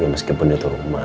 meskipun itu rumah